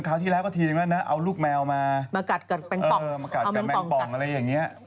เอาเวลาไปคิดเรื่องอื่นที่มันดีกว่านี้